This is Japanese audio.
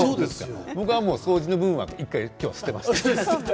僕は今日は掃除の部分は１回捨てました。